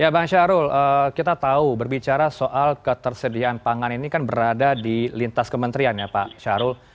ya bang syahrul kita tahu berbicara soal ketersediaan pangan ini kan berada di lintas kementerian ya pak syahrul